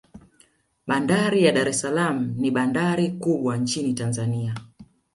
bandari ya dar es salaam ni bandari kubwa nchin tanzania